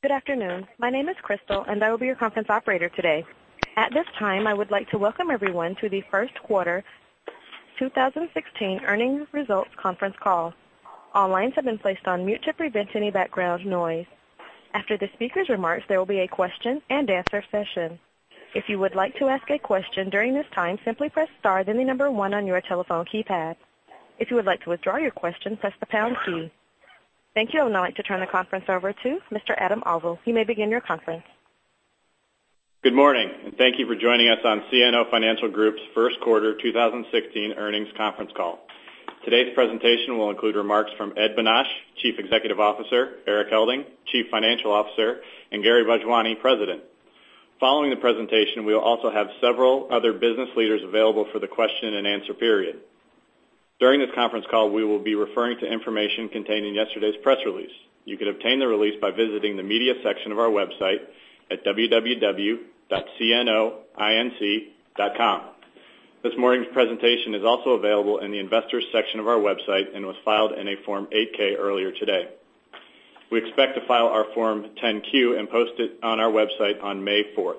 Good afternoon. My name is Crystal, and I will be your conference operator today. At this time, I would like to welcome everyone to the first quarter 2016 earnings results conference call. All lines have been placed on mute to prevent any background noise. After the speaker's remarks, there will be a question-and-answer session. If you would like to ask a question during this time, simply press star, then 1 on your telephone keypad. If you would like to withdraw your question, press the pound key. Thank you. I'd like to turn the conference over to Mr. Adam Auvil. You may begin your conference. Good morning, and thank you for joining us on CNO Financial Group's first quarter 2016 earnings conference call. Today's presentation will include remarks from Ed Bonach, Chief Executive Officer, Erik Helding, Chief Financial Officer, and Gary Bhojwani, President. Following the presentation, we will also have several other business leaders available for the question-and-answer period. During this conference call, we will be referring to information containing yesterday's press release. You could obtain the release by visiting the media section of our website at www.cnoinc.com. This morning's presentation is also available in the investors section of our website and was filed in a Form 8-K earlier today. We expect to file our Form 10-Q and post it on our website on May 4th.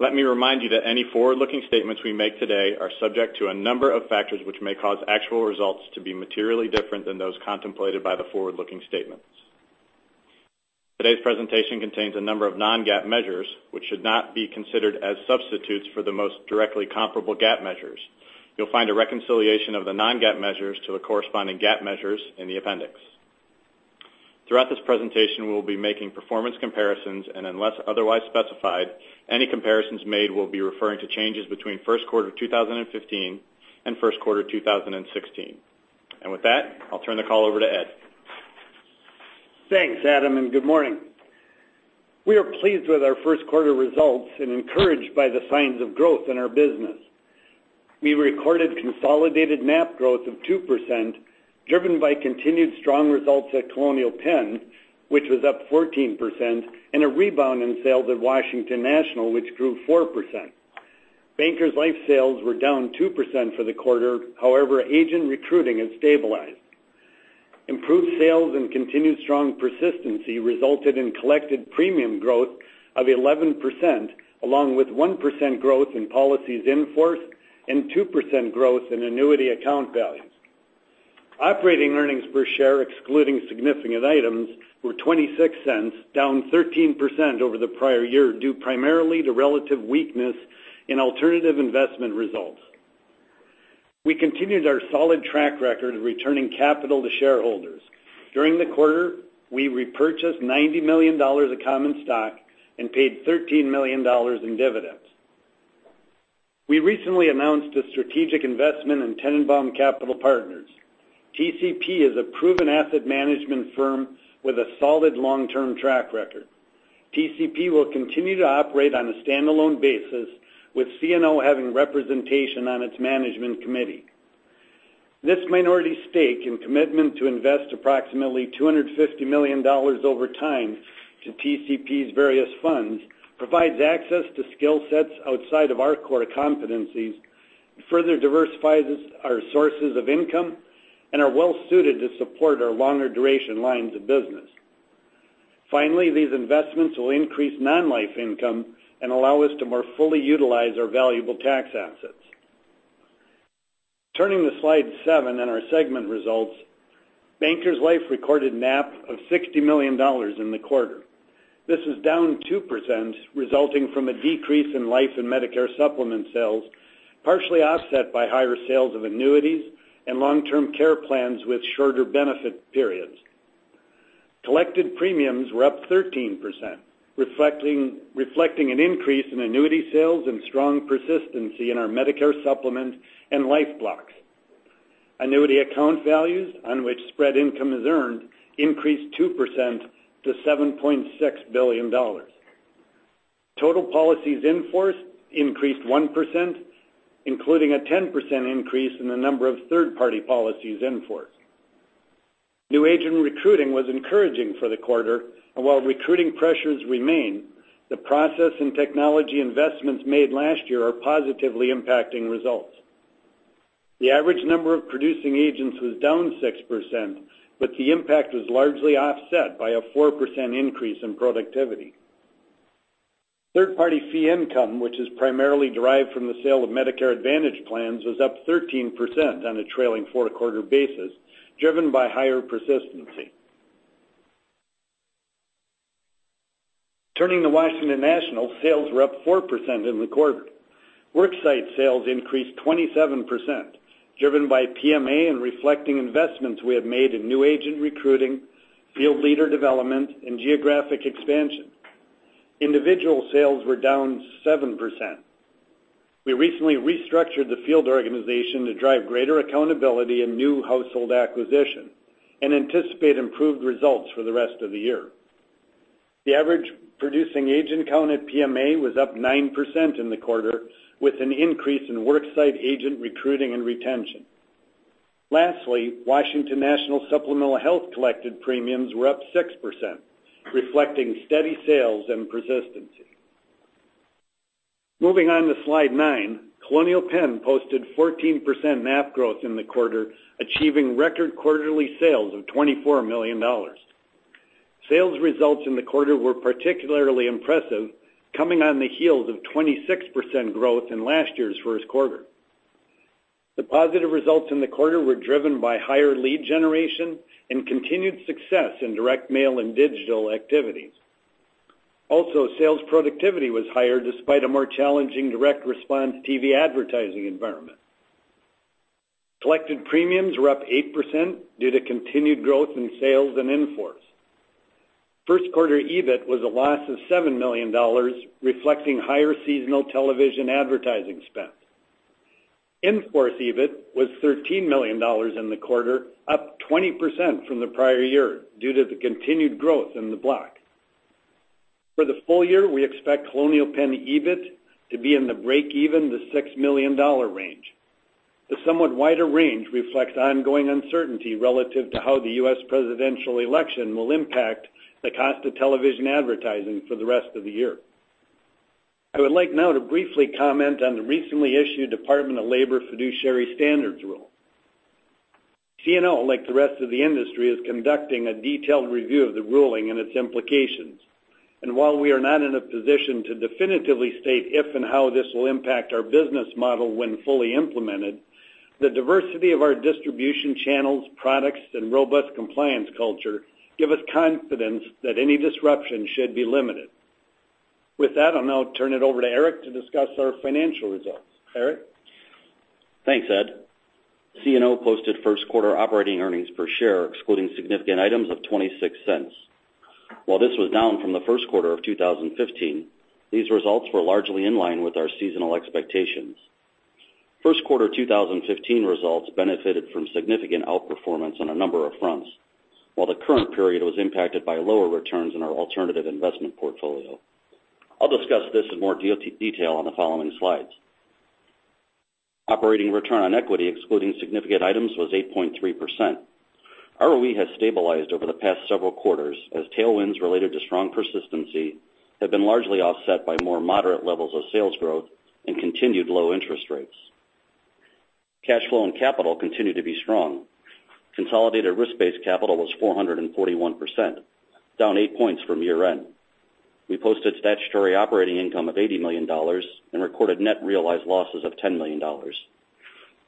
Let me remind you that any forward-looking statements we make today are subject to a number of factors which may cause actual results to be materially different than those contemplated by the forward-looking statements. Today's presentation contains a number of non-GAAP measures, which should not be considered as substitutes for the most directly comparable GAAP measures. You'll find a reconciliation of the non-GAAP measures to the corresponding GAAP measures in the appendix. Throughout this presentation, we will be making performance comparisons, and unless otherwise specified, any comparisons made will be referring to changes between first quarter 2015 and first quarter 2016. With that, I'll turn the call over to Ed. Thanks, Adam, and good morning. We are pleased with our first quarter results and encouraged by the signs of growth in our business. We recorded consolidated NAP growth of 2%, driven by continued strong results at Colonial Penn, which was up 14%, and a rebound in sales at Washington National, which grew 4%. Bankers Life sales were down 2% for the quarter. However, agent recruiting has stabilized. Improved sales and continued strong persistency resulted in collected premium growth of 11%, along with 1% growth in policies in force and 2% growth in annuity account value. Operating earnings per share, excluding significant items, were $0.26, down 13% over the prior year, due primarily to relative weakness in alternative investment results. We continued our solid track record of returning capital to shareholders. During the quarter, we repurchased $90 million of common stock and paid $13 million in dividends. We recently announced a strategic investment in Tennenbaum Capital Partners. TCP is a proven asset management firm with a solid long-term track record. TCP will continue to operate on a standalone basis, with CNO having representation on its management committee. This minority stake and commitment to invest approximately $250 million over time to TCP's various funds provides access to skill sets outside of our core competencies, further diversifies our sources of income, and are well-suited to support our longer duration lines of business. Finally, these investments will increase non-life income and allow us to more fully utilize our valuable tax assets. Turning to slide seven in our segment results, Bankers Life recorded NAP of $60 million in the quarter. This is down 2%, resulting from a decrease in life and Medicare supplement sales, partially offset by higher sales of annuities and long-term care plans with shorter benefit periods. Collected premiums were up 13%, reflecting an increase in annuity sales and strong persistency in our Medicare supplement and life blocks. Annuity account values on which spread income is earned increased 2% to $7.6 billion. Total policies in force increased 1%, including a 10% increase in the number of third-party policies in force. New agent recruiting was encouraging for the quarter. While recruiting pressures remain, the process and technology investments made last year are positively impacting results. The average number of producing agents was down 6%. The impact was largely offset by a 4% increase in productivity. Third-party fee income, which is primarily derived from the sale of Medicare Advantage plans, was up 13% on a trailing four-quarter basis, driven by higher persistency. Turning to Washington National, sales were up 4% in the quarter. Worksite sales increased 27%, driven by PMA and reflecting investments we have made in new agent recruiting, field leader development, and geographic expansion. Individual sales were down 7%. We recently restructured the field organization to drive greater accountability and new household acquisition and anticipate improved results for the rest of the year. The average producing agent count at PMA was up 9% in the quarter, with an increase in worksite agent recruiting and retention. Lastly, Washington National supplemental health collected premiums were up 6%, reflecting steady sales and persistency. Moving on to slide nine, Colonial Penn posted 14% NAP growth in the quarter, achieving record quarterly sales of $24 million. Sales results in the quarter were particularly impressive, coming on the heels of 26% growth in last year's first quarter. The positive results in the quarter were driven by higher lead generation and continued success in direct mail and digital activities. Sales productivity was higher despite a more challenging direct response TV advertising environment. Collected premiums were up 8% due to continued growth in sales and in-force. First quarter EBIT was a loss of $7 million, reflecting higher seasonal television advertising spend. In-force EBIT was $13 million in the quarter, up 20% from the prior year due to the continued growth in the block. For the full year, we expect Colonial Penn EBIT to be in the break-even to $6 million range. The somewhat wider range reflects ongoing uncertainty relative to how the U.S. presidential election will impact the cost of television advertising for the rest of the year. I would like now to briefly comment on the recently issued Department of Labor fiduciary standards rule. CNO, like the rest of the industry, is conducting a detailed review of the ruling and its implications. While we are not in a position to definitively state if and how this will impact our business model when fully implemented, the diversity of our distribution channels, products, and robust compliance culture give us confidence that any disruption should be limited. With that, I'll now turn it over to Erik to discuss our financial results. Erik? Thanks, Ed. CNO posted first quarter operating earnings per share excluding significant items of $0.26. While this was down from the first quarter of 2015, these results were largely in line with our seasonal expectations. First quarter 2015 results benefited from significant outperformance on a number of fronts, while the current period was impacted by lower returns in our alternative investment portfolio. I'll discuss this in more detail on the following slides. Operating return on equity excluding significant items was 8.3%. ROE has stabilized over the past several quarters as tailwinds related to strong persistency have been largely offset by more moderate levels of sales growth and continued low interest rates. Cash flow and capital continue to be strong. Consolidated risk-based capital was 441%, down eight points from year-end. We posted statutory operating income of $80 million and recorded net realized losses of $10 million.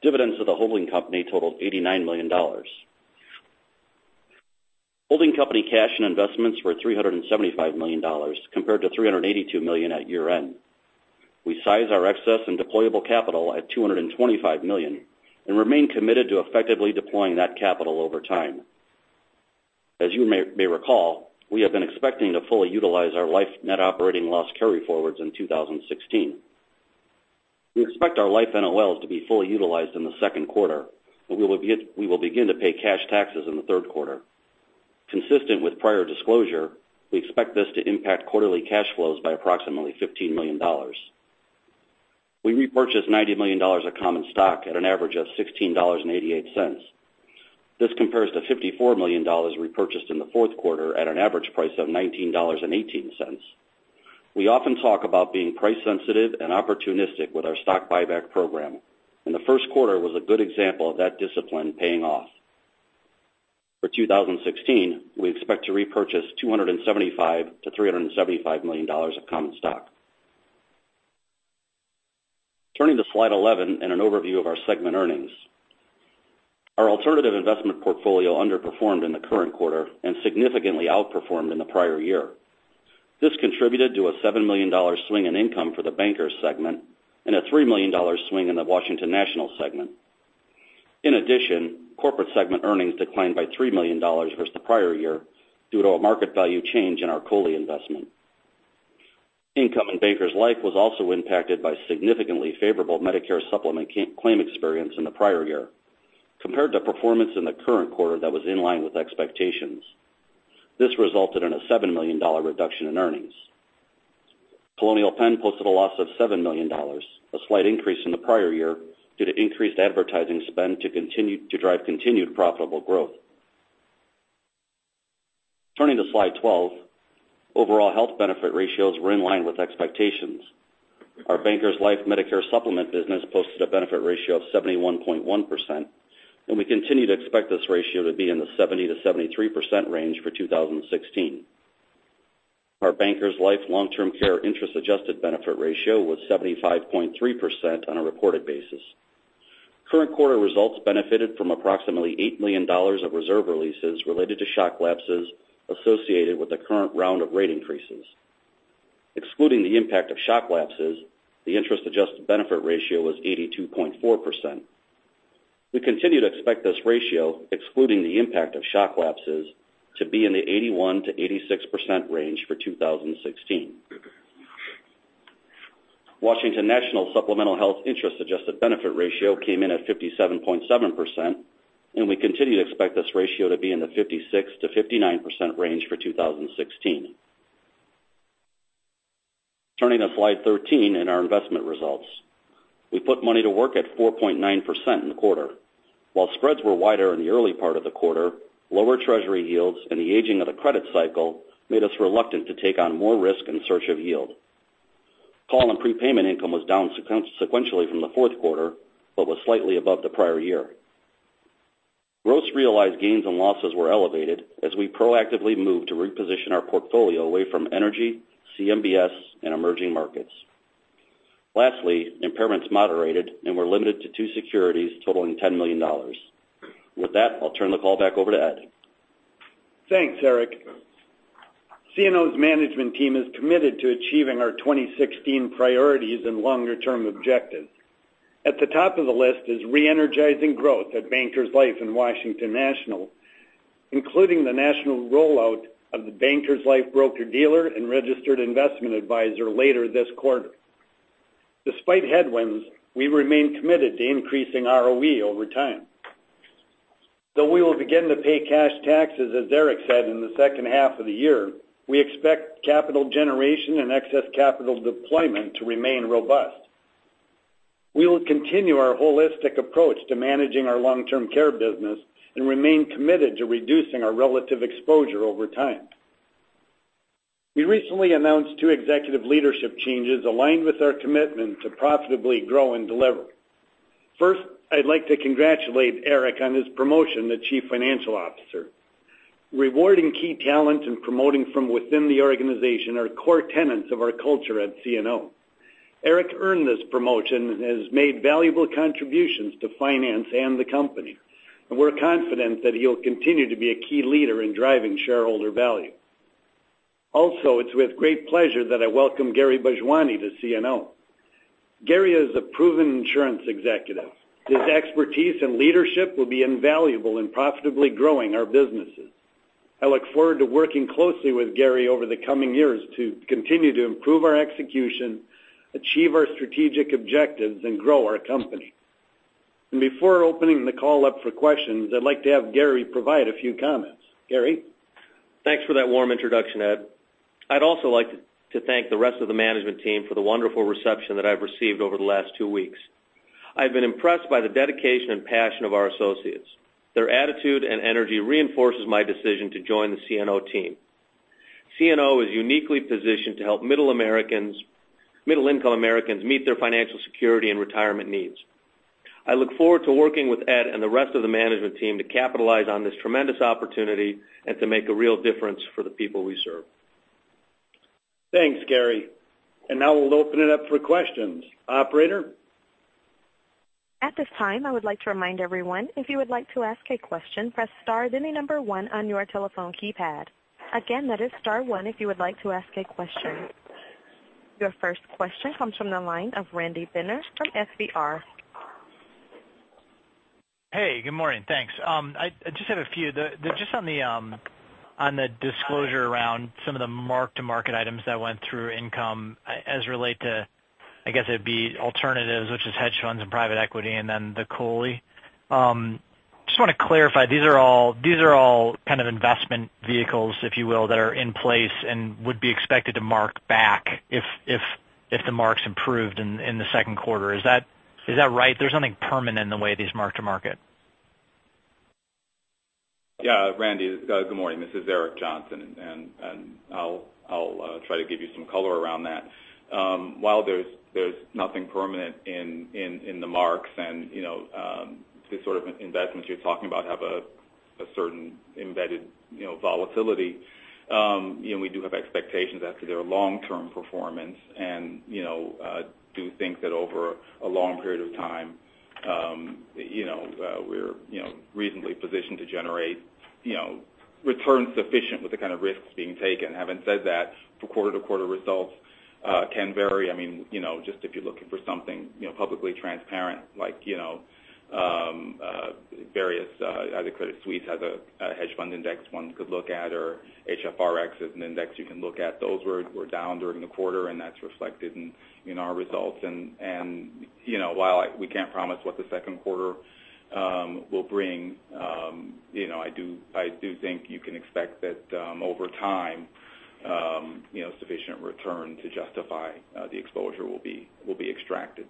Dividends to the holding company totaled $89 million. Holding company cash and investments were $375 million, compared to $382 million at year-end. We size our excess and deployable capital at $225 million and remain committed to effectively deploying that capital over time. As you may recall, we have been expecting to fully utilize our life net operating loss carryforwards in 2016. We expect our life NOLs to be fully utilized in the second quarter, and we will begin to pay cash taxes in the third quarter. Consistent with prior disclosure, we expect this to impact quarterly cash flows by approximately $15 million. We repurchased $90 million of common stock at an average of $16.88. This compares to $54 million repurchased in the fourth quarter at an average price of $19.18. We often talk about being price sensitive and opportunistic with our stock buyback program, and the first quarter was a good example of that discipline paying off. For 2016, we expect to repurchase $275 million-$375 million of common stock. Turning to slide 11 and an overview of our segment earnings. Our alternative investment portfolio underperformed in the current quarter and significantly outperformed in the prior year. This contributed to a $7 million swing in income for the Bankers segment and a $3 million swing in the Washington National segment. In addition, corporate segment earnings declined by $3 million versus the prior year due to a market value change in our COLI investment. Income in Bankers Life was also impacted by significantly favorable Medicare supplement claim experience in the prior year compared to performance in the current quarter that was in line with expectations. This resulted in a $7 million reduction in earnings. Colonial Penn posted a loss of $7 million, a slight increase in the prior year due to increased advertising spend to drive continued profitable growth. Turning to slide 12, overall health benefit ratios were in line with expectations. Our Bankers Life Medicare supplement business posted a benefit ratio of 71.1%, and we continue to expect this ratio to be in the 70%-73% range for 2016. Our Bankers Life long-term care interest adjusted benefit ratio was 75.3% on a reported basis. Current quarter results benefited from approximately $8 million of reserve releases related to shock lapses associated with the current round of rate increases. Excluding the impact of shock lapses, the interest-adjusted benefit ratio was 82.4%. We continue to expect this ratio, excluding the impact of shock lapses, to be in the 81%-86% range for 2016. Washington National supplemental health interest-adjusted benefit ratio came in at 57.7%, and we continue to expect this ratio to be in the 56%-59% range for 2016. Turning to slide 13 and our investment results. We put money to work at 4.9% in the quarter. While spreads were wider in the early part of the quarter, lower treasury yields and the aging of the credit cycle made us reluctant to take on more risk in search of yield. Call and prepayment income was down sequentially from the fourth quarter, but was slightly above the prior year. Gross realized gains and losses were elevated as we proactively moved to reposition our portfolio away from energy, CMBS, and emerging markets. Lastly, impairments moderated and were limited to two securities totaling $10 million. With that, I'll turn the call back over to Ed. Thanks, Erik. CNO's management team is committed to achieving our 2016 priorities and longer-term objectives. At the top of the list is re-energizing growth at Bankers Life and Washington National, including the national rollout of the Bankers Life broker-dealer and registered investment advisor later this quarter. Despite headwinds, we remain committed to increasing ROE over time. Though we will begin to pay cash taxes, as Erik said, in the second half of the year, we expect capital generation and excess capital deployment to remain robust. We will continue our holistic approach to managing our long-term care business and remain committed to reducing our relative exposure over time. We recently announced two executive leadership changes aligned with our commitment to profitably grow and deliver. First, I'd like to congratulate Erik on his promotion to Chief Financial Officer. Rewarding key talent and promoting from within the organization are core tenets of our culture at CNO. Erik earned this promotion and has made valuable contributions to finance and the company, and we're confident that he'll continue to be a key leader in driving shareholder value. Also, it's with great pleasure that I welcome Gary Bhojwani to CNO. Gary is a proven insurance executive. His expertise and leadership will be invaluable in profitably growing our businesses. I look forward to working closely with Gary over the coming years to continue to improve our execution, achieve our strategic objectives, and grow our company. Before opening the call up for questions, I'd like to have Gary provide a few comments. Gary? Thanks for that warm introduction, Ed. I'd also like to thank the rest of the management team for the wonderful reception that I've received over the last two weeks. I've been impressed by the dedication and passion of our associates. Their attitude and energy reinforces my decision to join the CNO team. CNO is uniquely positioned to help middle-income Americans meet their financial security and retirement needs. I look forward to working with Ed and the rest of the management team to capitalize on this tremendous opportunity and to make a real difference for the people we serve. Thanks, Gary. Now we'll open it up for questions. Operator? At this time, I would like to remind everyone, if you would like to ask a question, press star, then the number one on your telephone keypad. Again, that is star one if you would like to ask a question. Your first question comes from the line of Randy Binner from FBR. Hey, good morning. Thanks. I just have a few. Just on the disclosure around some of the mark-to-market items that went through income as relate to, I guess it'd be alternatives, which is hedge funds and private equity, and then the COLI. Just want to clarify, these are all kind of investment vehicles, if you will, that are in place and would be expected to mark back if the marks improved in the second quarter. Is that right? There's nothing permanent in the way these mark-to-market. Yeah, Randy, good morning. This is Eric Johnson, and I'll try to give you some color around that. While there's nothing permanent in the marks and the sort of investments you're talking about have a certain embedded volatility, we do have expectations as to their long-term performance and do think that over a long period of time, we're reasonably positioned to generate returns sufficient with the kind of risks being taken. Having said that, for quarter-to-quarter results can vary. Just if you're looking for something publicly transparent like various, either Credit Suisse has a hedge fund index one could look at, or HFRX is an index you can look at. Those were down during the quarter, and that's reflected in our results. While we can't promise what the second quarter will bring, I do think you can expect that over time, sufficient return to justify the exposure will be extracted.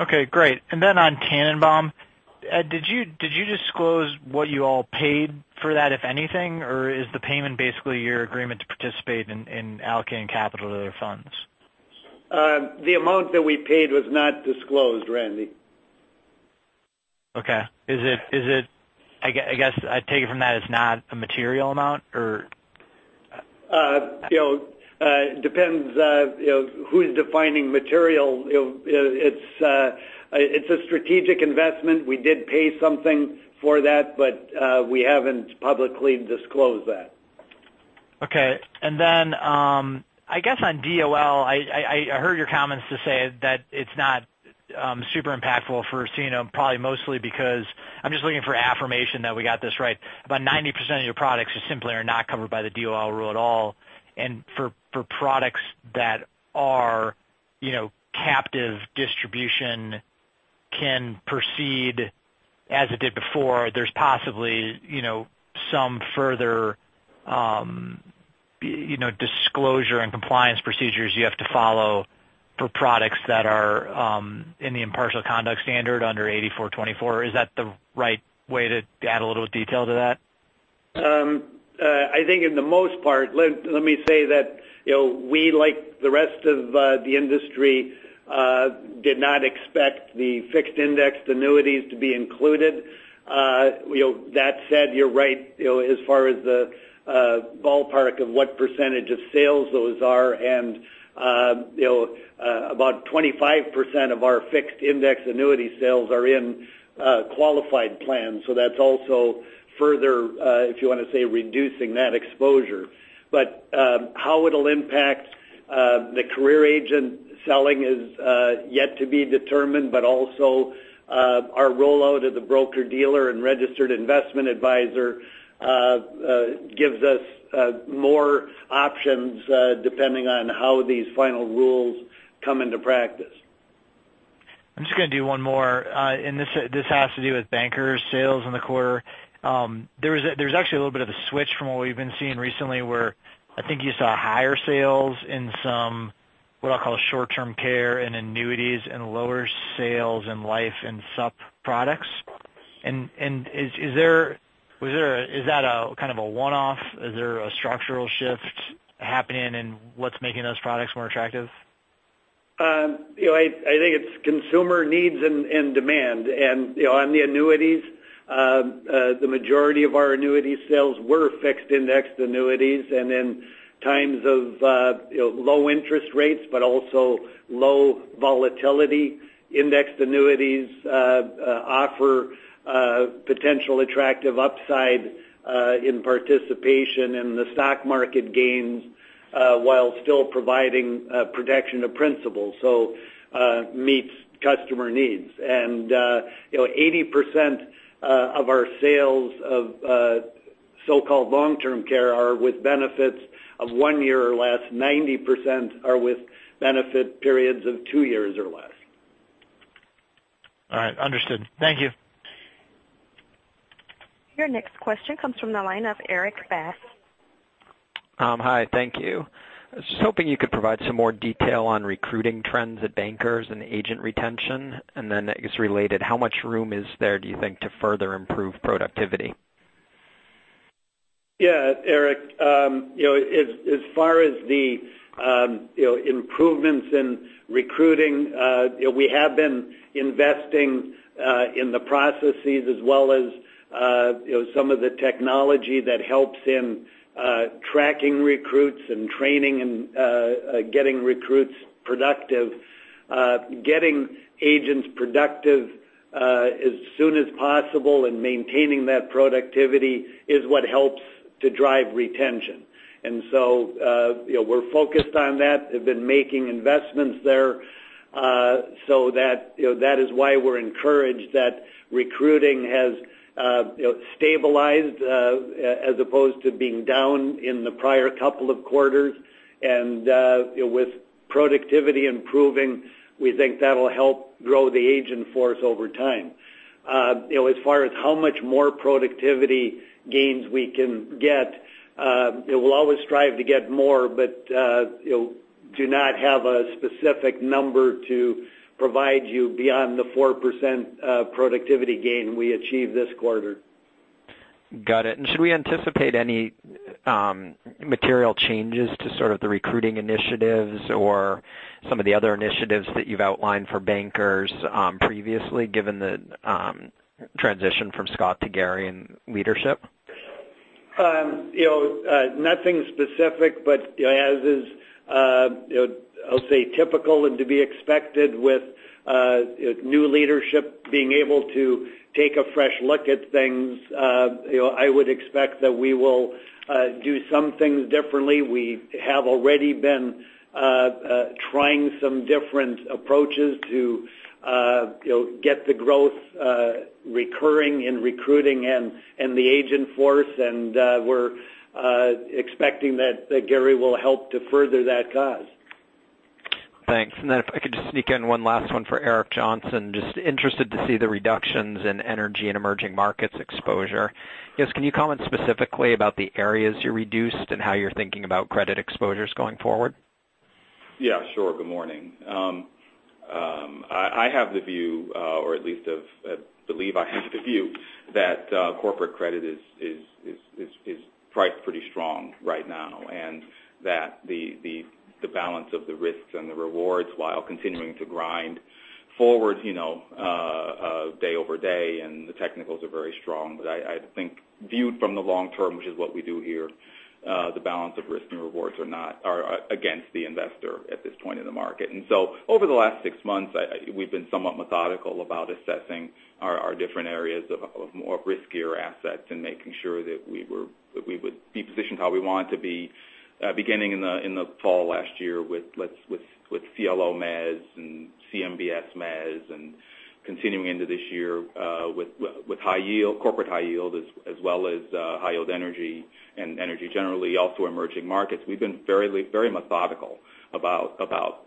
Okay, great. Then on Tennenbaum, Ed, did you disclose what you all paid for that, if anything? Or is the payment basically your agreement to participate in allocating capital to their funds? The amount that we paid was not disclosed, Randy. Okay. I guess I take it from that as not a material amount? Depends who's defining material. It's a strategic investment. We did pay something for that, we haven't publicly disclosed that. Okay. I guess on DOL, I heard your comments to say that it's not super impactful for CNO, probably mostly because I'm just looking for affirmation that we got this right. About 90% of your products just simply are not covered by the DOL rule at all. For products that are captive distribution can proceed as it did before. There's possibly some further disclosure and compliance procedures you have to follow for products that are in the impartial conduct standard under 8424. Is that the right way to add a little detail to that? I think in the most part, let me say that we, like the rest of the industry, did not expect the fixed indexed annuities to be included. That said, you're right, as far as the ballpark of what percentage of sales those are, and about 25% of our fixed index annuity sales are in qualified plans. That's also further, if you want to say, reducing that exposure. How it'll impact the career agent selling is yet to be determined, but also our rollout of the broker-dealer and registered investment advisor gives us more options depending on how these final rules come into practice. I'm just going to do one more, and this has to do with Bankers' sales in the quarter. There's actually a little bit of a switch from what we've been seeing recently, where I think you saw higher sales in some, what I'll call short-term care and annuities and lower sales in life and sup products. Is that a kind of a one-off? Is there a structural shift happening, what's making those products more attractive? I think it's consumer needs and demand. On the annuities, the majority of our annuity sales were fixed indexed annuities. In times of low interest rates but also low volatility, indexed annuities offer potential attractive upside in participation in the stock market gains while still providing protection to principals, meets customer needs. 80% of our sales of so-called long-term care are with benefits of one year or less. 90% are with benefit periods of two years or less. All right. Understood. Thank you. Your next question comes from the line of Erik Bass. Hi, thank you. I was just hoping you could provide some more detail on recruiting trends at bankers and agent retention. Then I guess related, how much room is there, do you think, to further improve productivity? Yeah, Eric. As far as the improvements in recruiting, we have been investing in the processes as well as some of the technology that helps in tracking recruits and training and getting recruits productive. Getting agents productive as soon as possible and maintaining that productivity is what helps to drive retention. We're focused on that, have been making investments there. That is why we're encouraged that recruiting has stabilized as opposed to being down in the prior couple of quarters. With productivity improving, we think that'll help grow the agent force over time. As far as how much more productivity gains we can get, we'll always strive to get more but do not have a specific number to provide you beyond the 4% productivity gain we achieved this quarter. Got it. Should we anticipate any material changes to sort of the recruiting initiatives or some of the other initiatives that you've outlined for bankers previously, given the transition from Scott to Gary in leadership? Nothing specific, but as is, I'll say typical and to be expected with new leadership being able to take a fresh look at things, I would expect that we will do some things differently. We have already been trying some different approaches to get the growth recurring in recruiting and the agent force, and we're expecting that Gary will help to further that cause. Thanks. Then if I could just sneak in one last one for Eric Johnson. Just interested to see the reductions in energy and emerging markets exposure. I guess, can you comment specifically about the areas you reduced and how you're thinking about credit exposures going forward? Yeah, sure. Good morning. I have the view, or at least I believe I have the view that corporate credit is priced pretty strong right now, and that the balance of the risks and the rewards while continuing to grind forward day over day and the technicals are very strong. I think viewed from the long term, which is what we do here, the balance of risks and rewards are against the investor at this point in the market. So over the last six months, we've been somewhat methodical about assessing our different areas of riskier assets and making sure that we would be positioned how we wanted to be. Beginning in the fall last year with CLO mezz and CMBS mezz, and continuing into this year with corporate high yield as well as high yield energy and energy generally, also emerging markets. We've been very methodical about about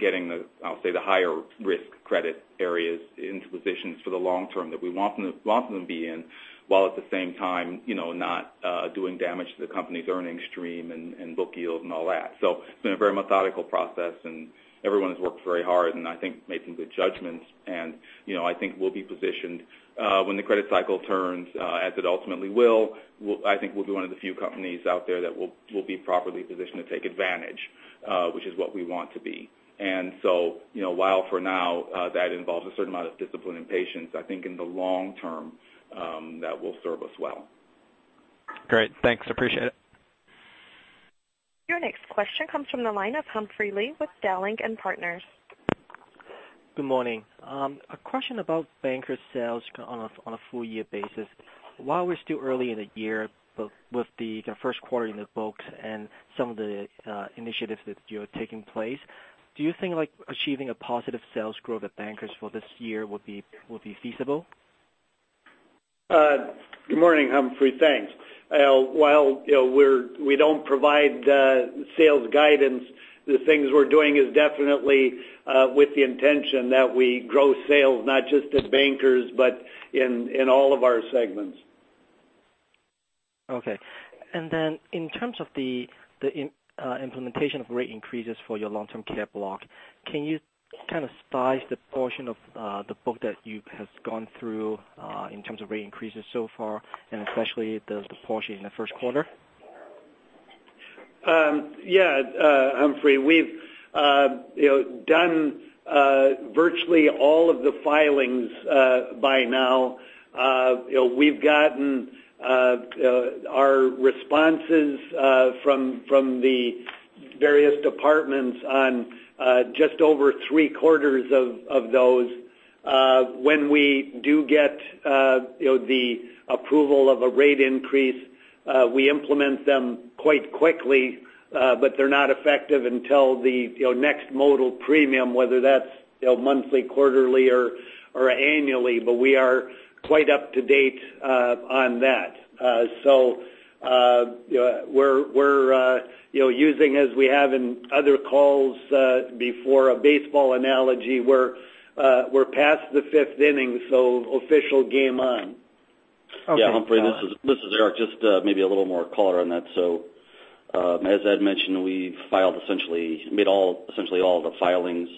getting the, I'll say, the higher risk credit areas into positions for the long term that we want them to be in, while at the same time not doing damage to the company's earning stream and book yield and all that. It's been a very methodical process, everyone has worked very hard, and I think making good judgments. I think we'll be positioned when the credit cycle turns, as it ultimately will. I think we'll be one of the few companies out there that will be properly positioned to take advantage, which is what we want to be. While for now, that involves a certain amount of discipline and patience, I think in the long term, that will serve us well. Great. Thanks. Appreciate it. Your next question comes from the line of Humphrey Lee with Dowling & Partners. Good morning. A question about Bankers sales on a full year basis. While we're still early in the year, both with the first quarter in the books and some of the initiatives that you have taking place, do you think achieving a positive sales growth at Bankers for this year would be feasible? Good morning, Humphrey. Thanks. While we don't provide sales guidance, the things we're doing is definitely with the intention that we grow sales, not just at Bankers, but in all of our segments. Okay. Then in terms of the implementation of rate increases for your long-term care block, can you kind of size the portion of the book that has gone through, in terms of rate increases so far, and especially the portion in the first quarter? Yeah, Humphrey. We've done virtually all of the filings by now. We've gotten our responses from the various departments on just over three-quarters of those. When we do get the approval of a rate increase, we implement them quite quickly, but they're not effective until the next modal premium, whether that's monthly, quarterly, or annually. We are quite up to date on that. We're using, as we have in other calls before, a baseball analogy. We're past the fifth inning, official game on. Okay. Yeah, Humphrey, this is Erik. Just maybe a little more color on that. As Ed mentioned, we've made essentially all of the filings.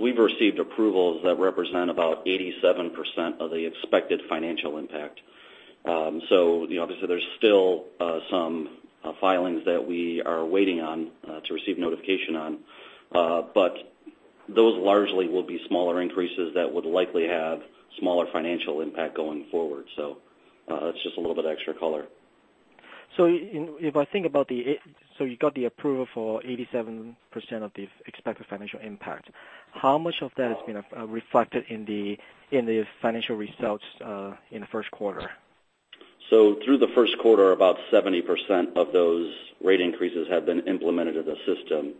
We've received approvals that represent about 87% of the expected financial impact. Obviously there's still some filings that we are waiting on to receive notification on. Those largely will be smaller increases that would likely have smaller financial impact going forward. That's just a little bit of extra color. You got the approval for 87% of the expected financial impact. How much of that has been reflected in the financial results in the first quarter? Through the first quarter, about 70% of those rate increases have been implemented in the system.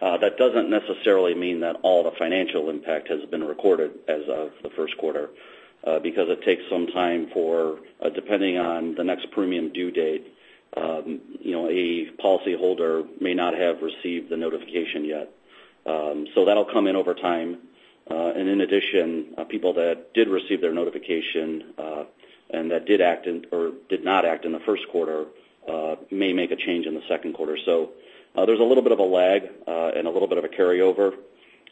That doesn't necessarily mean that all the financial impact has been recorded as of the first quarter, because it takes some time for, depending on the next premium due date, a policyholder may not have received the notification yet. That'll come in over time. In addition, people that did receive their notification, and that did not act in the first quarter, may make a change in the second quarter. There's a little bit of a lag, and a little bit of a carryover.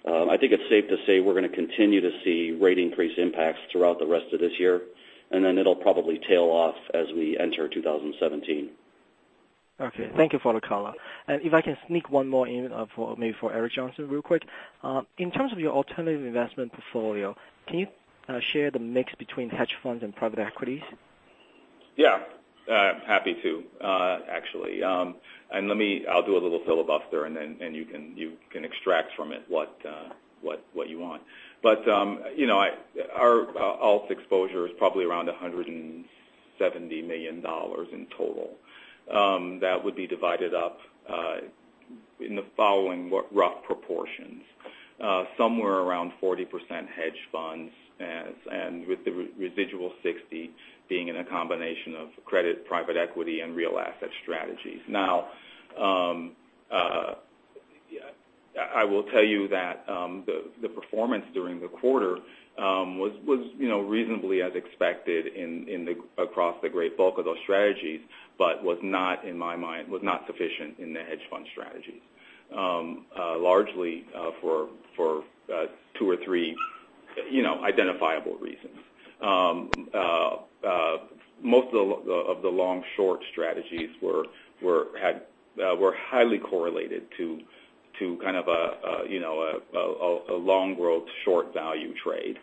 I think it's safe to say we're going to continue to see rate increase impacts throughout the rest of this year, and then it'll probably tail off as we enter 2017. Okay. Thank you for the color. If I can sneak one more in maybe for Eric Johnson real quick. In terms of your alternative investment portfolio, can you share the mix between hedge funds and private equities? Yeah. Happy to, actually. I'll do a little filibuster, and you can extract from it what you want. Our alt exposure is probably around $170 million in total. That would be divided up in the following rough proportions. Somewhere around 40% hedge funds, and with the residual 60% being in a combination of credit, private equity, and real asset strategies. Now, I will tell you that the performance during the quarter was reasonably as expected across the great bulk of those strategies, but was not sufficient in the hedge fund strategies. Largely for two or three identifiable reasons. Most of the long-short strategies were highly correlated to kind of a long world short value trade,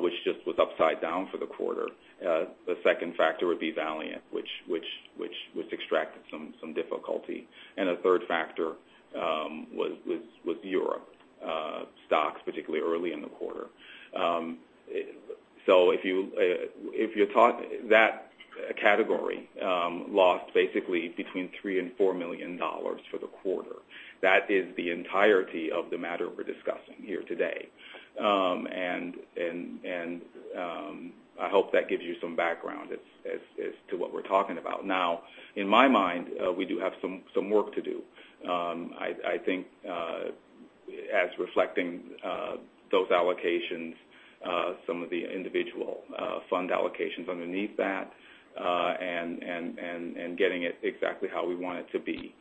which just was upside down for the quarter. The second factor would be Valeant, which extracted some difficulty. A third factor was Europe. Stocks, particularly early in the quarter. That category lost basically between $3 million and $4 million for the quarter. That is the entirety of the matter we're discussing here today. I hope that gives you some background as to what we're talking about. Now, in my mind, we do have some work to do. I think as reflecting those allocations, some of the individual fund allocations underneath that, and getting it exactly how we want it to be.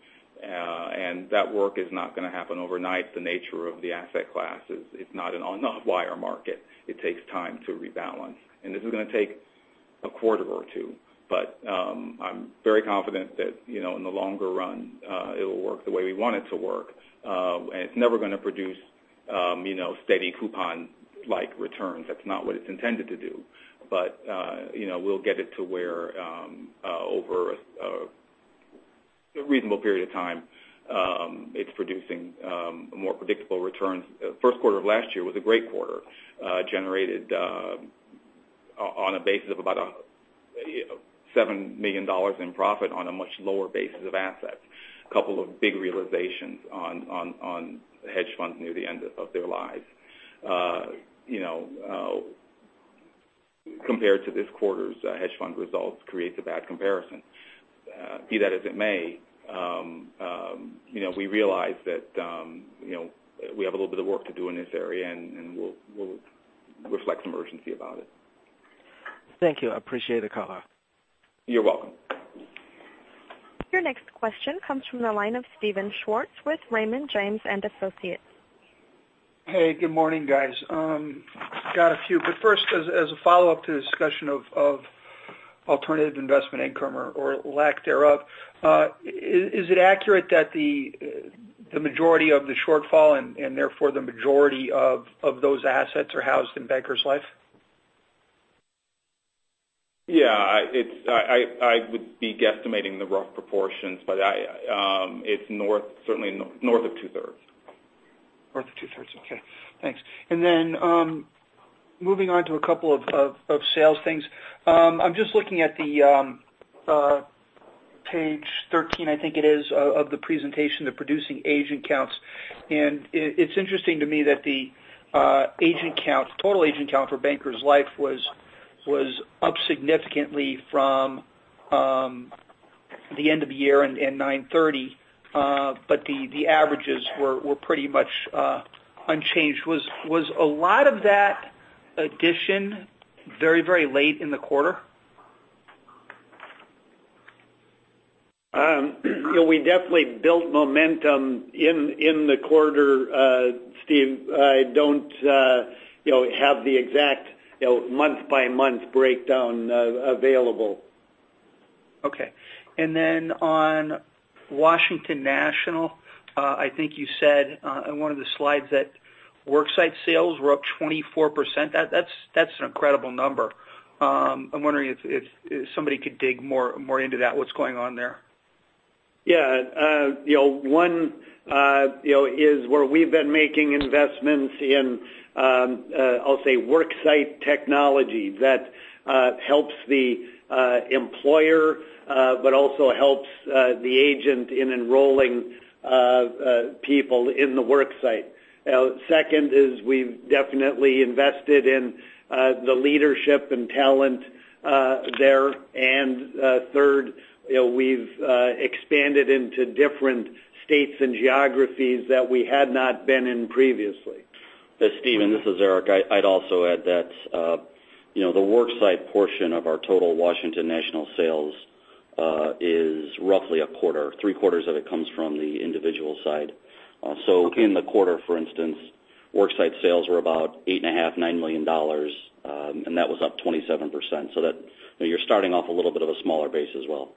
That work is not going to happen overnight. The nature of the asset class is it's not an on-off wire market. It takes time to rebalance. This is going to take a quarter or two. I'm very confident that in the longer run it will work the way we want it to work. It's never going to produce steady coupon-like returns. That's not what it's intended to do. We'll get it to where over a reasonable period of time it's producing more predictable returns. First quarter of last year was a great quarter. Generated on a basis of about $7 million in profit on a much lower basis of assets. Couple of big realizations on hedge funds near the end of their lives. Compared to this quarter's hedge fund results creates a bad comparison. Be that as it may, we realize that we have a little bit of work to do in this area, we'll reflect some urgency about it. Thank you. I appreciate the call. You're welcome. Your next question comes from the line of Steven Schwartz with Raymond James & Associates. Hey, good morning, guys. Got a few, but first, as a follow-up to the discussion of alternative investment income or lack thereof, is it accurate that the majority of the shortfall and therefore the majority of those assets are housed in Bankers Life? Yeah. I would be guesstimating the rough proportions, but it's certainly north of two-thirds. North of two-thirds. Okay, thanks. Moving on to a couple of sales things. I'm just looking at page 13, I think it is, of the presentation, the producing agent counts. It's interesting to me that the total agent count for Bankers Life was up significantly from the end of the year in 930, but the averages were pretty much unchanged. Was a lot of that addition very late in the quarter? We definitely built momentum in the quarter, Steven. I don't have the exact month-by-month breakdown available. Okay. On Washington National, I think you said on one of the slides that worksite sales were up 24%. That's an incredible number. I'm wondering if somebody could dig more into that, what's going on there? Yeah. One is where we've been making investments in I'll say worksite technology that helps the employer but also helps the agent in enrolling people in the worksite. Second is we've definitely invested in the leadership and talent there. Third, we've expanded into different states and geographies that we had not been in previously. Steven, this is Eric. I'd also add that the worksite portion of our total Washington National sales is roughly a quarter. Three quarters of it comes from the individual side. Okay. In the quarter, for instance, worksite sales were about $8.5 million-$9 million, and that was up 27%. You're starting off a little bit of a smaller base as well.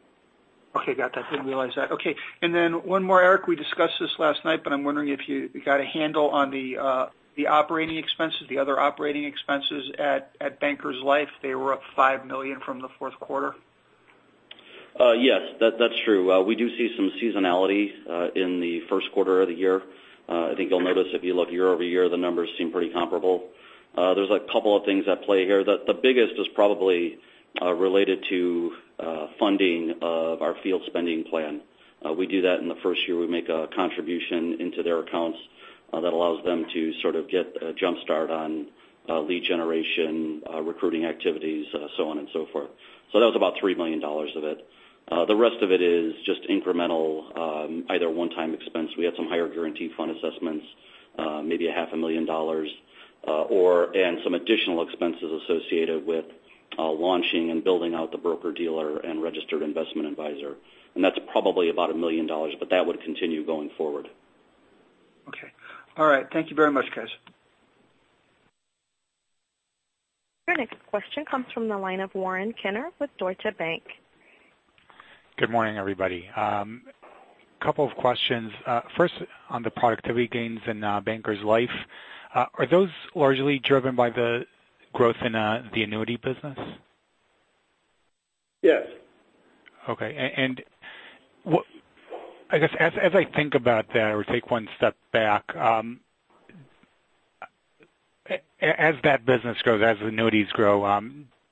Okay, got that. Didn't realize that. Okay. One more, Eric. We discussed this last night, but I'm wondering if you got a handle on the operating expenses, the other operating expenses at Bankers Life. They were up $5 million from the fourth quarter. Yes, that's true. We do see some seasonality in the first quarter of the year. I think you'll notice if you look year-over-year, the numbers seem pretty comparable. There's a couple of things at play here. The biggest is probably related to funding of our field spending plan. We do that in the first year. We make a contribution into their accounts that allows them to sort of get a jump start on lead generation, recruiting activities, so on and so forth. That was about $3 million of it. The rest of it is just incremental either one-time expense. We had some higher guarantee fund assessments maybe a half a million dollars or/and some additional expenses associated with launching and building out the broker-dealer and registered investment advisor. That's probably about $1 million, but that would continue going forward. Okay. All right. Thank you very much, guys. Your next question comes from the line of Yaron Kinar with Deutsche Bank. Good morning, everybody. Couple of questions. First, on the productivity gains in Bankers Life, are those largely driven by the growth in the annuity business? Yes. Okay. I guess as I think about that or take one step back, as that business grows, as annuities grow,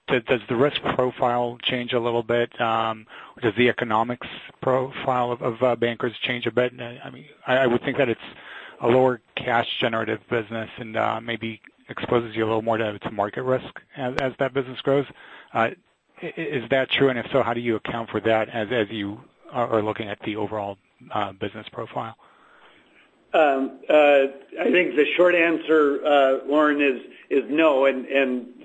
does the risk profile change a little bit? Does the economics profile of Bankers change a bit? I would think that it's a lower cash generative business and maybe exposes you a little more to market risk as that business grows. Is that true? If so, how do you account for that as you are looking at the overall business profile? I think the short answer, Yaron, is no.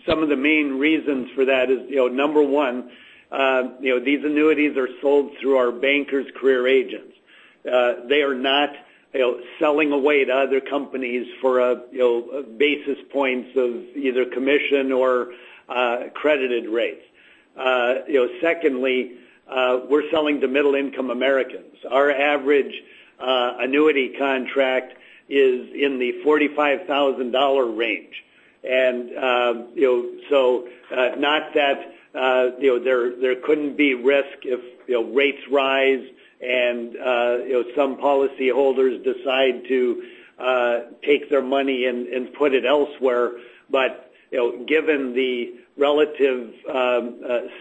Some of the main reasons for that is, number one, these annuities are sold through our Bankers career agents. They are not selling away to other companies for basis points of either commission or credited rates. Secondly, we're selling to middle-income Americans. Our average annuity contract is in the $45,000 range. Not that there couldn't be risk if rates rise and some policy holders decide to take their money and put it elsewhere. Given the relative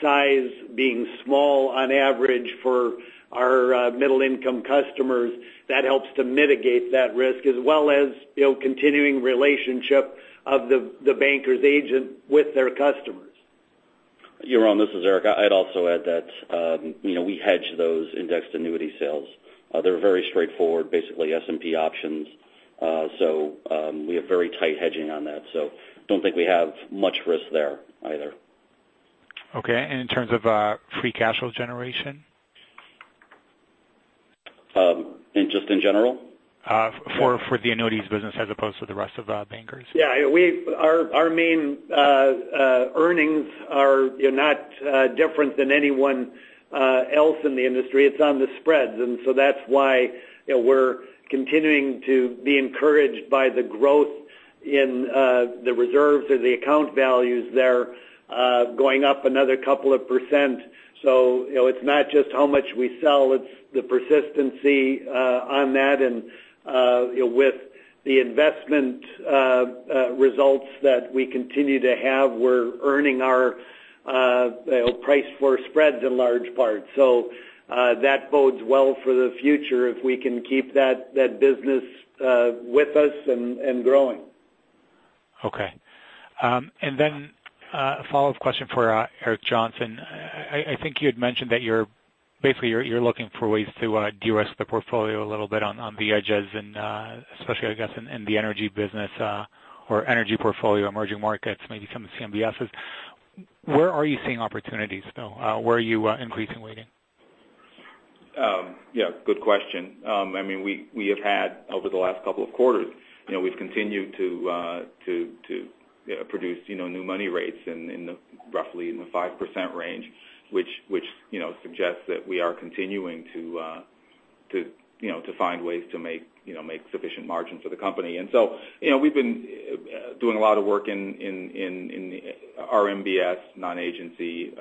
size being small on average for our middle-income customers, that helps to mitigate that risk as well as continuing relationship of the Bankers agent with their customers. Yaron. This is Erik. I'd also add that we hedge those indexed annuity sales. They're very straightforward, basically S&P options. We have very tight hedging on that. Don't think we have much risk there either. Okay. In terms of free cash flow generation? Just in general? For the annuities business as opposed to the rest of Bankers. Yeah. Our main earnings are not different than anyone else in the industry. It's on the spreads. That's why we're continuing to be encouraged by the growth in the reserves or the account values there going up another couple of %. It's not just how much we sell, it's the persistency on that. With the investment results that we continue to have, we're earning our price for spreads in large part. That bodes well for the future if we can keep that business with us and growing. Okay. A follow-up question for Eric Johnson. I think you had mentioned that basically you're looking for ways to de-risk the portfolio a little bit on the edges and especially, I guess, in the energy business or energy portfolio, emerging markets, maybe some CMBSs. Where are you seeing opportunities though? Where are you increasing weighting? Yeah, good question. We have had over the last couple of quarters, we've continued to produce new money rates roughly in the 5% range, which suggests that we are continuing to find ways to make sufficient margin for the company. We've been doing a lot of work in RMBS, non-agency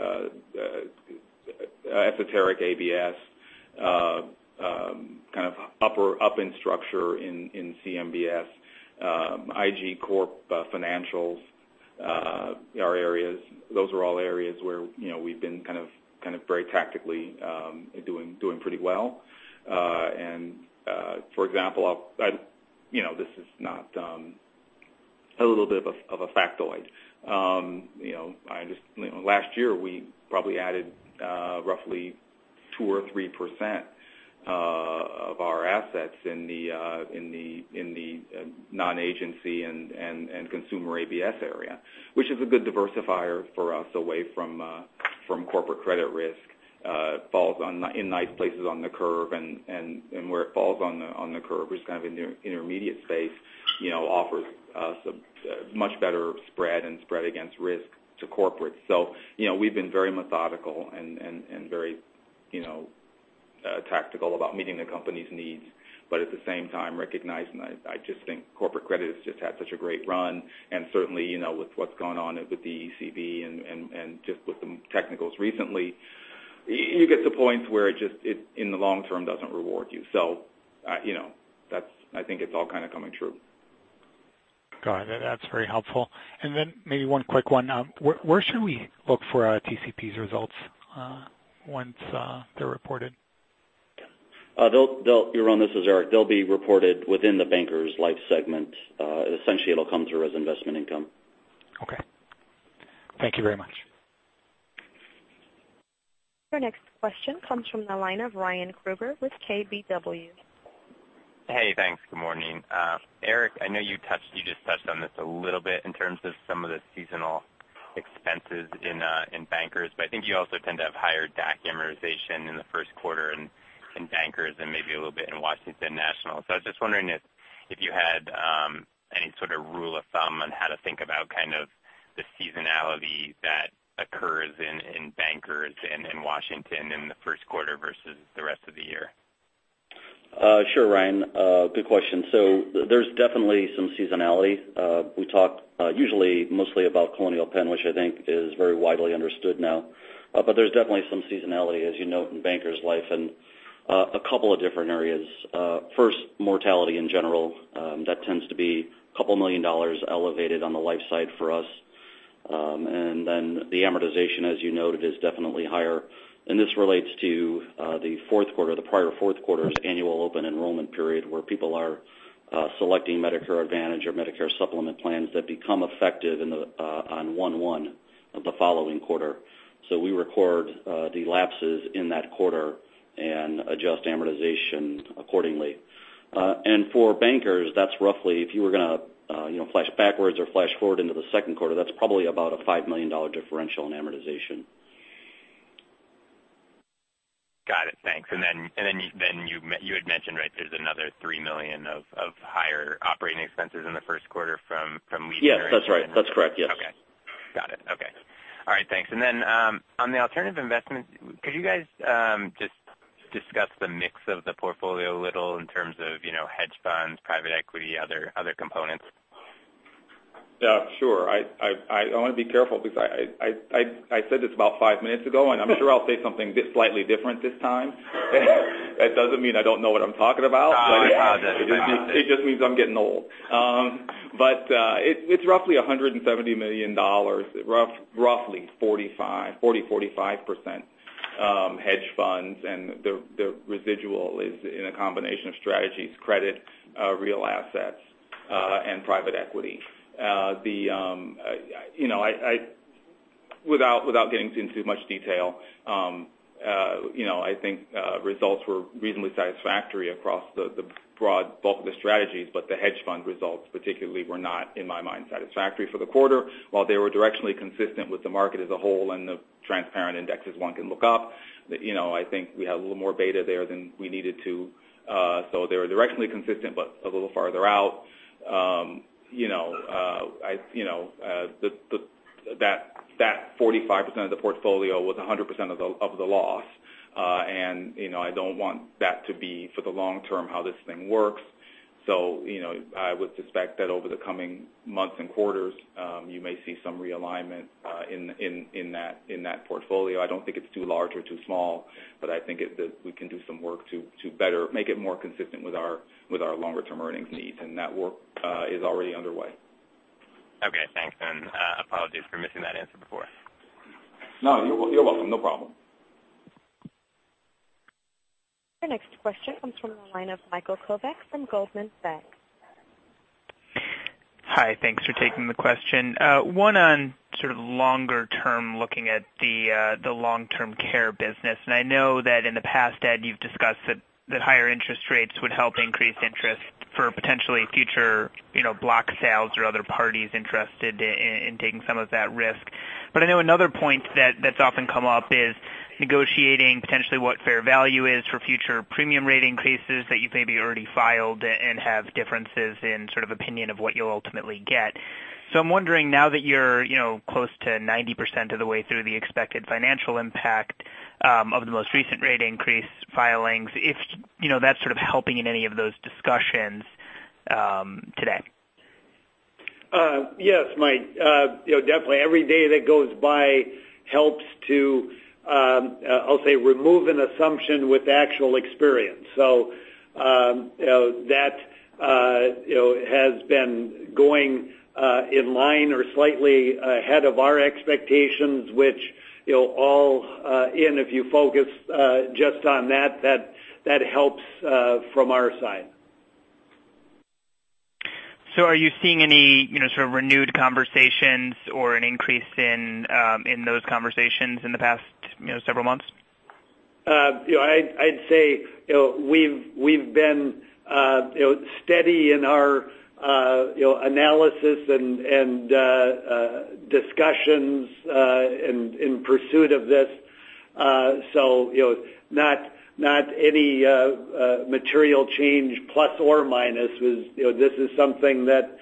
esoteric ABS kind of up in structure in CMBS, IG Corp financials are areas. Those are all areas where we've been kind of very tactically doing pretty well. For example, this is not a little bit of a factoid. Last year we probably added roughly 2% or 3% of our assets in the non-agency and consumer ABS area, which is a good diversifier for us away from corporate credit risk. Falls in nice places on the curve and where it falls on the curve is kind of in the intermediate space offers us a much better spread and spread against risk to corporate. We've been very methodical and very tactical about meeting the company's needs, but at the same time recognizing I just think corporate credit has just had such a great run. Certainly with what's gone on with the ECB and just with some technicals recently, you get to points where it just in the long term doesn't reward you. I think it's all kind of coming true. Got it. That's very helpful. Then maybe one quick one. Where should we look for TCP's results once they're reported? Yaron. This is Erik. They'll be reported within the Bankers Life segment. Essentially it'll come through as investment income. Okay. Thank you very much. Your next question comes from the line of Ryan Krueger with KBW. Hey, thanks. Good morning. Eric, I know you just touched on this a little bit in terms of some of the seasonal expenses in Bankers, I think you also tend to have higher DAC amortization in the first quarter in Bankers and maybe a little bit in Washington National. I was just wondering if you had any sort of rule of thumb on how to think about kind of the seasonality that occurs in Bankers and in Washington in the first quarter versus the rest of the year. Sure. Ryan, good question. There's definitely some seasonality. We talk usually mostly about Colonial Penn, which I think is very widely understood now. There's definitely some seasonality as you note in Bankers Life and. A couple of different areas. First, mortality in general. That tends to be a couple million dollars elevated on the life side for us. Then the amortization, as you noted, is definitely higher. This relates to the prior fourth quarter's annual open enrollment period, where people are selecting Medicare Advantage or Medicare Supplement plans that become effective on 1/1 of the following quarter. We record the lapses in that quarter and adjust amortization accordingly. For bankers, that's roughly, if you were going to flash backwards or flash forward into the second quarter, that's probably about a $5 million differential in amortization. Got it. Thanks. You had mentioned there's another $3 million of higher operating expenses in the first quarter from Yes, that's right. That's correct, yes. Okay. Got it. Okay. All right, thanks. On the alternative investment, could you guys just discuss the mix of the portfolio a little in terms of hedge funds, private equity, other components? Sure. I want to be careful because I said this about five minutes ago, I'm sure I'll say something slightly different this time. That doesn't mean I don't know what I'm talking about. Got it. It just means I'm getting old. It's roughly $170 million, roughly 40%-45% hedge funds, and the residual is in a combination of strategies, credit, real assets, and private equity. Without getting into too much detail, I think results were reasonably satisfactory across the broad bulk of the strategies, but the hedge fund results particularly were not, in my mind, satisfactory for the quarter. While they were directionally consistent with the market as a whole and the transparent indexes one can look up, I think we had a little more beta there than we needed to. They were directionally consistent, but a little farther out. That 45% of the portfolio was 100% of the loss. I don't want that to be for the long term how this thing works. I would suspect that over the coming months and quarters, you may see some realignment in that portfolio. I don't think it's too large or too small, but I think we can do some work to better make it more consistent with our longer-term earnings needs. That work is already underway. Okay, thanks. Apologies for missing that answer before. No, you're welcome. No problem. Your next question comes from the line of Michael Kovac from Goldman Sachs. Hi. Thanks for taking the question. One on sort of longer term, looking at the long-term care business. I know that in the past, Ed, you've discussed that higher interest rates would help increase interest for potentially future block sales or other parties interested in taking some of that risk. I know another point that's often come up is negotiating potentially what fair value is for future premium rate increases that you've maybe already filed and have differences in sort of opinion of what you'll ultimately get. I'm wondering now that you're close to 90% of the way through the expected financial impact of the most recent rate increase filings, if that's sort of helping in any of those discussions today. Yes, Mike. Definitely. Every day that goes by helps to, I'll say, remove an assumption with actual experience. That has been going in line or slightly ahead of our expectations, which all in, if you focus just on that helps from our side. Are you seeing any sort of renewed conversations or an increase in those conversations in the past several months? I'd say we've been steady in our analysis and discussions in pursuit of this. Not any material change, plus or minus. This is something that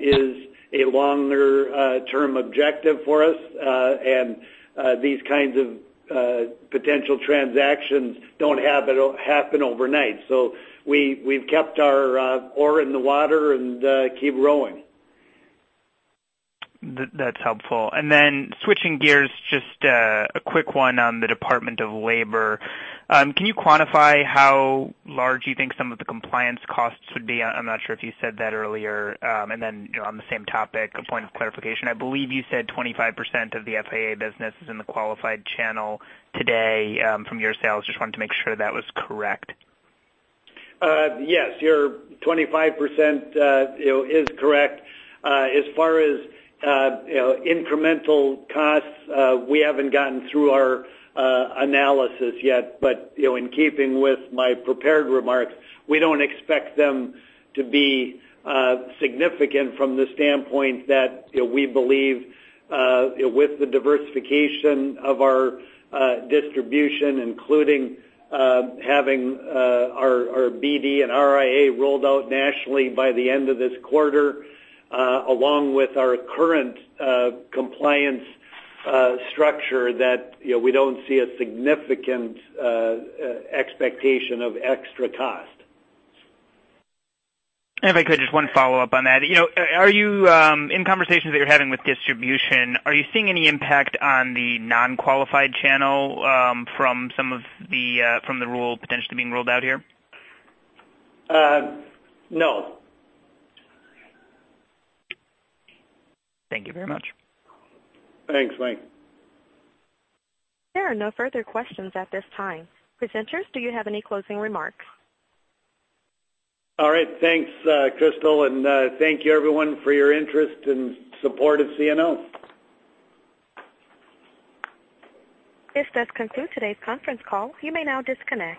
is a longer-term objective for us. These kinds of potential transactions don't happen overnight. We've kept our oar in the water and keep rowing. That's helpful. Switching gears, just a quick one on the Department of Labor. Can you quantify how large you think some of the compliance costs would be? I'm not sure if you said that earlier. On the same topic, a point of clarification. I believe you said 25% of the FIA business is in the qualified channel today from your sales. Just wanted to make sure that was correct. Yes, your 25% is correct. As far as incremental costs, we haven't gotten through our analysis yet. In keeping with my prepared remarks, we don't expect them to be significant from the standpoint that we believe with the diversification of our distribution, including having our BD and RIA rolled out nationally by the end of this quarter, along with our current compliance structure, that we don't see a significant expectation of extra cost. If I could, just one follow-up on that. In conversations that you're having with distribution, are you seeing any impact on the non-qualified channel from the rule potentially being ruled out here? No. Thank you very much. Thanks, Mike. There are no further questions at this time. Presenters, do you have any closing remarks? All right. Thanks, Crystal, and thank you everyone for your interest and support of CNO. This does conclude today's conference call. You may now disconnect.